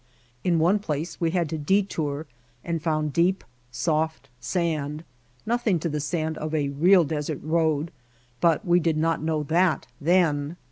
In one place we had to detour and found deep, soft sand, nothing to the sand of a real desert road, but we did not know that then.